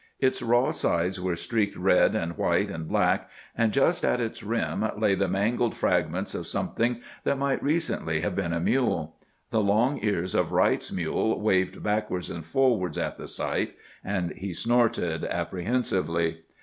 Its raw sides were streaked red and white and black, and just at its rim lay the mangled fragments of something that might recently have been a mule. The long ears of Wright's mule waved backwards and forwards at the sight, and he snorted apprehensively.